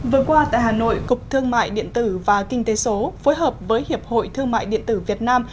vừa qua tại hà nội cục thương mại điện tử và kinh tế số phối hợp với hiệp hội thương mại điện tử việt nam